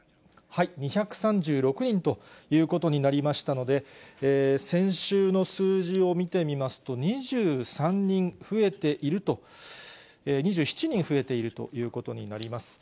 ２３６人ということになりましたので、先週の数字を見てみますと、２３人増えていると、２７人増えているということになります。